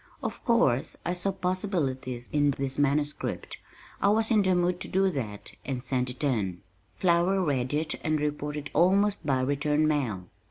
Of course I saw possibilities in this manuscript I was in the mood to do that and sent it in. Flower read it and reported almost by return mail.